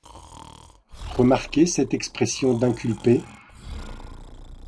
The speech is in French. Remarquez cette expression d’inculpés.